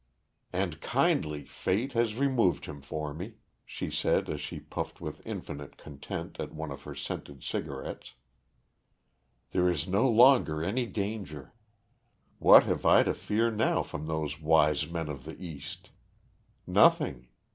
"And kindly fate has removed him for me," she said as she puffed with infinite content at one of her scented cigarettes. "There is no longer any danger. What have I to fear now from those wise men of the East? Nothing.